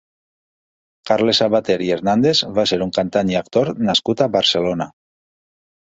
Carles Sabater i Hernàndez va ser un cantant i actor nascut a Barcelona.